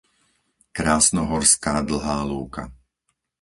Krásnohorská Dlhá Lúka